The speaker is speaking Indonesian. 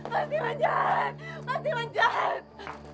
mas diman jahat mas diman jahat